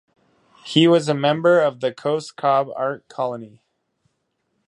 He was a member of the Cos Cob Art Colony.